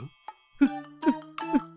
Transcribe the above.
・フッフッフッ。